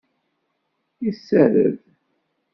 Yessared.